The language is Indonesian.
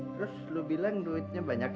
terus lo bilang duitnya banyak